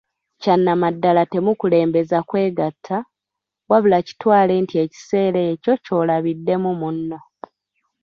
Kyanamaddala temukulembeza kwegatta, wabula kitwale nti ekiseera ekyo ky'olabiddemu munno.